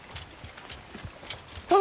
殿！